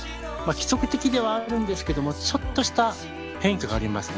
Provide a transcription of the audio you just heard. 規則的ではあるんですけどもちょっとした変化がありますね。